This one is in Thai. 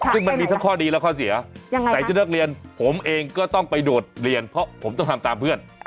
ซึ่งมันมีทั้งข้อดีและข้อเสียยังไงใส่ชุดนักเรียนผมเองก็ต้องไปโดดเรียนเพราะผมต้องทำตามเพื่อน